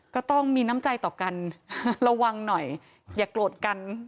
ก็ต้องมีน้ำใจต่อกันระวังหน่อยอย่าโกรธกัน